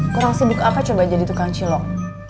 kurang sibuk apa coba jadi tukang cilong